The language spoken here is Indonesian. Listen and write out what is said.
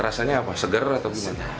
rasanya apa seger atau gimana